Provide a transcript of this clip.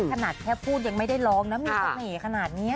ขนาดแค่พูดยังไม่ได้ร้องนะมีเสน่ห์ขนาดนี้